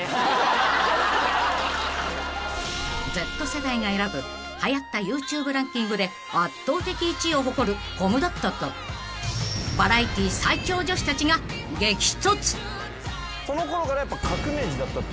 ［Ｚ世代が選ぶはやったＹｏｕＴｕｂｅランキングで圧倒的１位を誇るコムドットとバラエティ最強女子たちが激突］